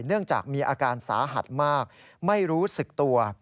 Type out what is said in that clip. เนื่องจากมีอาการสาหัสมากไม่รู้สึกตัว